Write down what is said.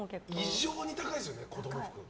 異常に高いですよね、子供服。